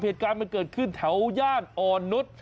เหตุการณ์มันเกิดขึ้นแถวย่านอ่อนนุษย์